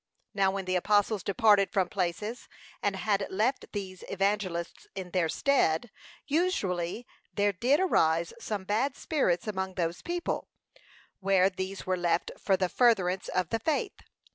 Now when the apostles departed from places, and had left these evangelists in their stead, usually there did arise some bad spirits among those people, where these were left for the furtherance of the faith.